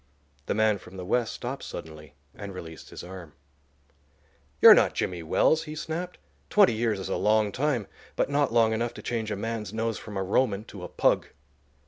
The man from the West stopped suddenly and released his arm. "You're not Jimmy Wells," he snapped. "Twenty years is a long time, but not long enough to change a man's nose from a Roman to a pug."